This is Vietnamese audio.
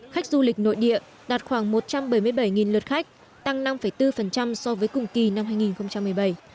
khách du lịch nội địa đạt khoảng một trăm bảy mươi bảy lượt khách tăng năm bốn so với cùng kỳ năm hai nghìn một mươi bảy